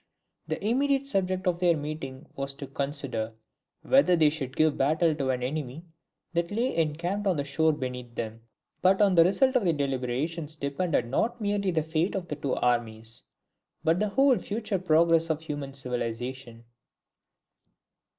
The immediate subject of their meeting was to consider whether they should give battle to an enemy that lay encamped on the shore beneath them; but on the result of their deliberations depended not merely the fate of two armies, but the whole future progress of human civilization.